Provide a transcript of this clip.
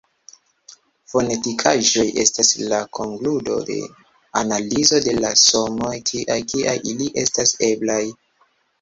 Fonetikaĵoj estas la konkludo de analizo de la sonoj tiaj kiaj ili estas eblaj.